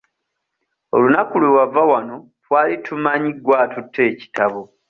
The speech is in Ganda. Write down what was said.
Olunaku lwe wava wano twali tumanyi gwe atutte ekitabo.